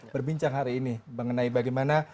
berbincang hari ini mengenai bagaimana